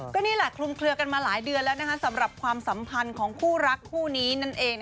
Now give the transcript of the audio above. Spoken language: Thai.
ก็นี่แหละคลุมเคลือกันมาหลายเดือนแล้วสำหรับความสัมพันธ์ของคู่รักคู่นี้นั่นเอง